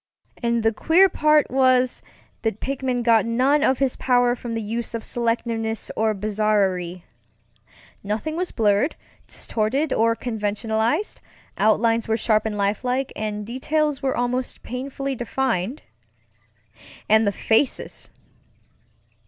And the queer part was, that Pickman got none of his power from the use of selectiveness or bizarrerie. Nothing was blurred, distorted, or conventionalized; outlines were sharp and lifelike, and details were almost painfully defined. And the faces!